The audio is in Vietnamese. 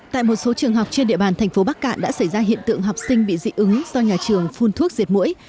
tại một số trường học trên địa bàn thành phố bắc cạn đã xảy ra hiện tượng học sinh bị dị ứng do nhà trường phun thuốc diệt mũi